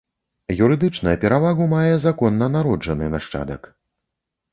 Юрыдычна перавагу мае законна народжаны нашчадак.